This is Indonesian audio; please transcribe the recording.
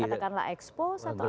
katakanlah ekspos atau apapun